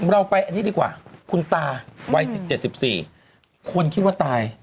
เราไปอันนี้ดีกว่าคุณตาวัย๑๗๑๔คนคิดว่าตาย